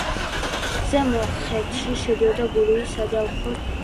ზემო ხეთი შედიოდა გურიის საჯავახოს შემადგენლობაში.